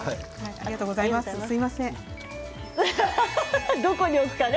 ありがとうございます。